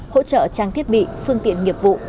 hỗ trợ trang thiết bị phương tiện nghiệp vụ